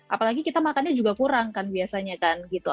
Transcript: apalagi kita makannya juga kurang kan biasanya kan gitu